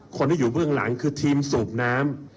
คนที่อยู่เบื้องหลังคือทีมสูบน้ำ